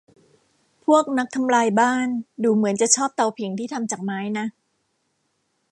พวกนักทำลายบ้านดูเหมือนจะชอบเตาผิงที่ทำจากไม้นะ